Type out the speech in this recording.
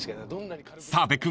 ［澤部君